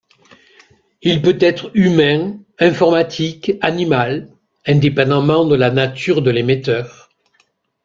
Il peut être humain, informatique, animal... indépendamment de la nature de l'émetteur.